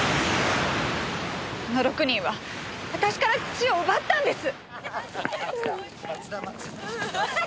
あの６人は私から父を奪ったんです！